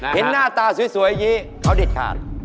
เห็นหน้าตาสวยอย่างนี้เขาสนิทขาด